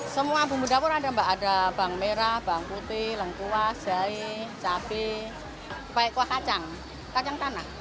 semua bumbu dapur ada mbak ada bawang merah bawang putih lengkuas jahe cabai pakai kuah kacang kacang tanah